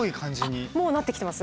あっもうなってきてます？